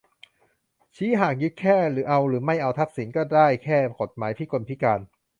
ชี้หากยึดแค่ เอาหรือไม่เอาทักษิณ ก็ได้แค่กฎหมายพิกลพิการ